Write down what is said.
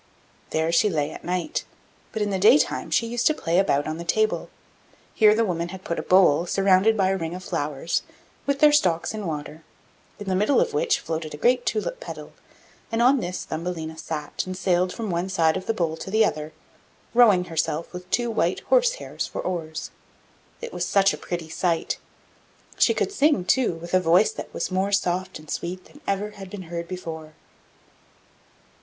There she lay at night, but in the day time she used to play about on the table; here the woman had put a bowl, surrounded by a ring of flowers, with their stalks in water, in the middle of which floated a great tulip pedal, and on this Thumbelina sat, and sailed from one side of the bowl to the other, rowing herself with two white horse hairs for oars. It was such a pretty sight! She could sing, too, with a voice more soft and sweet than had ever been heard before.